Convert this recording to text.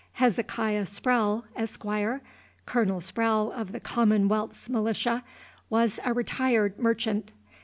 Hezekiah Sprowle, Esquire, Colonel Sprowle of the Commonwealth's Militia, was a retired "merchant."